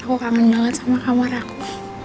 aku kangen banget sama kamar aku